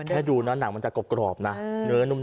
แค่ดูนะหนังมันจะกรอบกรอบน่ะเนื้อหนุ่ม